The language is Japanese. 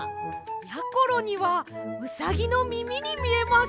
やころにはうさぎのみみにみえます。